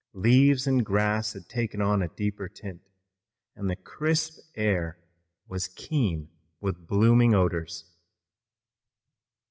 Leaves and grass had taken on a deeper tint, and the crisp air was keen with blooming odors.